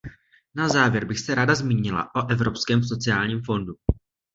Na závěr bych se ráda zmínila o Evropském sociálním fondu.